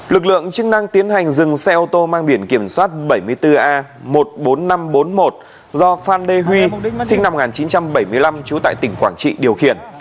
lực lượng chức năng tiến hành dừng xe ô tô mang biển kiểm soát bảy mươi bốn a một mươi bốn nghìn năm trăm bốn mươi một do phan đề huy sinh năm một nghìn chín trăm bảy mươi năm trú tại tỉnh quảng trị điều khiển